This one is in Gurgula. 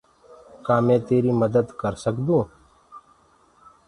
ڪآ مينٚ تيري مدد ڪر سڪدو هونٚ۔